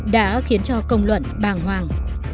đã khiến cho công luận bàng hoàng